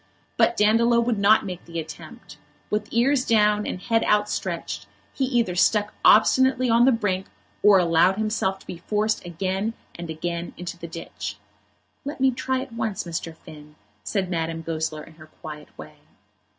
But Dandolo would not make the attempt. With ears down and head outstretched, he either stuck obstinately on the brink, or allowed himself to be forced again and again into the ditch. "Let me try it once, Mr. Finn," said Madame Goesler in her quiet way.